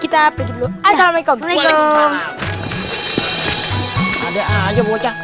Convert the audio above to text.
kita pergi dulu assalamualaikum waalaikumsalam ada aja bocah alisannya